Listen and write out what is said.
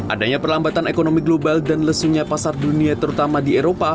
adanya perlambatan ekonomi global dan lesunya pasar dunia terutama di eropa